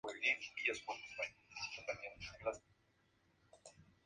Por tanto, un menor número de personas consiguieron evadirse durante esos días.